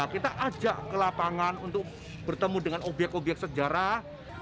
kita ajak ke lapangan untuk bertemu dengan obyek obyek sejarah